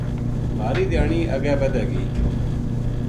مھاری دھیانی اَگے بَدھے گی